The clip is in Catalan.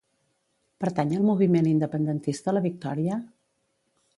Pertany al moviment independentista la Victoria?